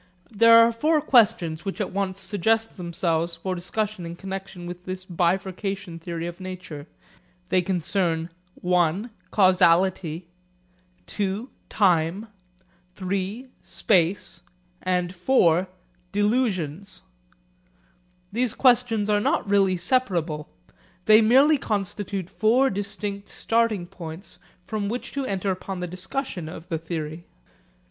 There are four questions which at once suggest themselves for discussion in connexion with this bifurcation theory of nature. They concern (i) causality, (ii) time, (iii) space, and (iv) delusions. These questions are not really separable. They merely constitute four distinct starting points from which to enter upon the discussion of the theory.